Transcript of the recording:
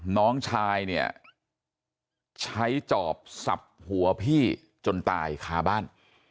น้องชายเนี่ยใช้จอบสับหัวพี่จนตายคาบ้าน